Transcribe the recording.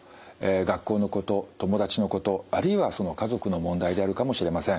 学校のこと友達のことあるいは家族の問題であるかもしれません。